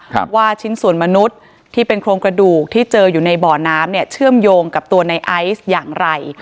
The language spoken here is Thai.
ว่าชิ้นส่วนมนุษย์ที่เป็นโครงกระดูกที่เจออยู่ในบ่อน้ำเนี่ยเชื่อมโยงกับตัวในไอซ์อย่างไร